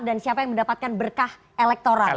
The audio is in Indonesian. dan siapa yang mendapatkan berkah elektoral